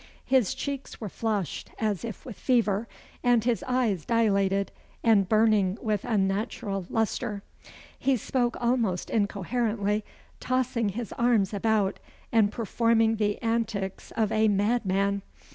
His cheeks were flushed, as if with fever, and his eyes dilated and burning with unnatural lustre. He spoke almost incoherently, tossing his arms about, and performing the antics of a madman.